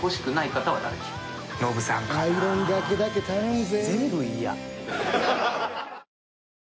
アイロンがけだけ頼むぜ。